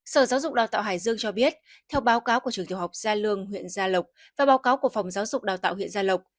sở giáo dục đào tạo hải dương cho biết theo báo cáo của trường tiểu học gia lương huyện gia lộc và báo cáo của phòng giáo dục đào tạo huyện gia lộc